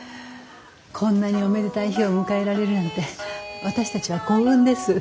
こんなにおめでたい日を迎えられるなんて私たちは幸運です。